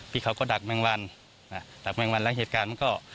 พี่เขาก็ดักแมงวันดักแมงวันแล้วเหตุการณ์มันก็